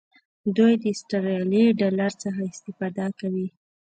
دوی د آسترالیایي ډالر څخه استفاده کوي.